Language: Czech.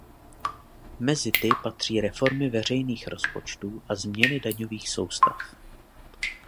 Mezi ty patří reformy veřejných rozpočtů a změny daňových soustav.